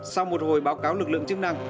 sau một hồi báo cáo lực lượng chức năng